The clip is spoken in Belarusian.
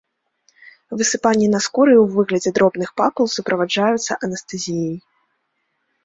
Высыпанні на скуры ў выглядзе дробных папул суправаджаюцца анестэзіяй.